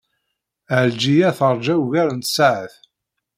Ɛelǧiya teṛja ugar n tsaɛet.